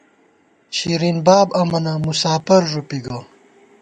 شرین باب امَنہ، مساپر ݫُوپی گہ